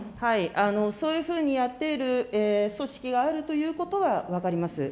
そういうふうにやっている組織があるということは分かります。